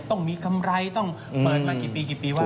ต้องมีกำไรต้องเปิดมากี่ปีกี่ปีว่า